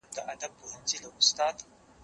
زه مينه نه څرګندوم!؟